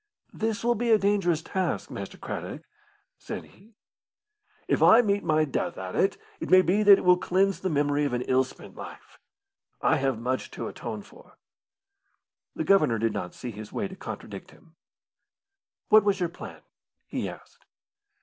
"This will be a dangerous task, Master Craddock," said he. "If I meet my death at it, it may be that it will cleanse the memory of an ill spent life. I have much to atone for." The Governor did not see his way to contradict him. "What was your plan?" he asked.